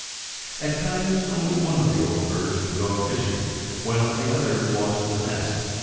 At times only one of the old birds would go a fishing, while the other watched the nest.